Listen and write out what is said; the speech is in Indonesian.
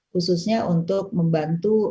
khususnya untuk membantu